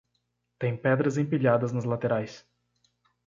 Tem pedras empilhadas nas laterais.